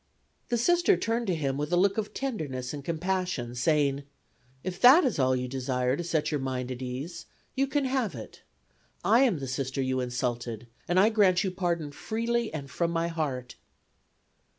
The Sister turned to him with a look of tenderness and compassion, saying: "If that is all you desire to set your mind at ease, you can have it. I am the Sister you insulted and I grant you pardon freely and from my heart."